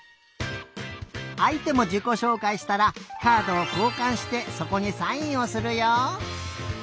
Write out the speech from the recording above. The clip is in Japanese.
あいてもじこしょうかいしたらカードをこうかんしてそこにサインをするよ。